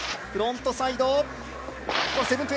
フロントサイド。